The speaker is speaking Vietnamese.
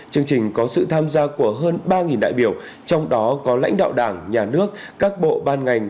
chương trình có sự tham gia của hơn ba đại biểu trong đó có lãnh đạo đảng nhà nước các bộ ban ngành